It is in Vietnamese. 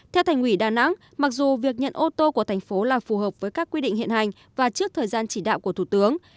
theo thành ủy đà nẵng mặc dù việc nhận ô tô của thành phố là phù hợp với các quy định hiện hành và trước thời gian chỉ đạo của thủ tướng